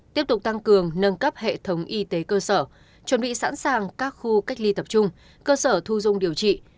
tiếp tục tăng cường nâng cấp hệ thống y tế cơ sở chuẩn bị sẵn sàng các khu cách ly tập trung cơ sở thu dung điều trị